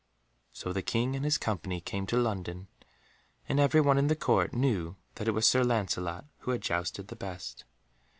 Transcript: So the King and his company came to London, and every one in the Court knew that it was Sir Lancelot who had jousted the best.